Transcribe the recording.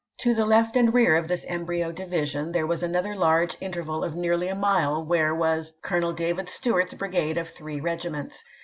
To the left and rear of this embryo division there was another large interval of nearly a mile where was Colonel David Stuart's brigade of three regiments.